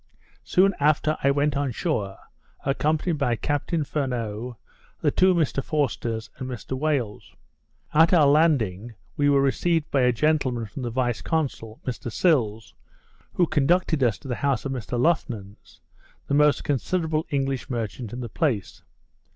Soon after I went on shore, accompanied by Captain Furneaux, the two Mr Forsters, and Mr Wales. At our landing, we were received by a gentleman from the vice consul, Mr Sills, who conducted us to the house of Mr Loughnans, the most considerable English merchant in the place.